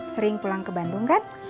sering pulang ke bandung kan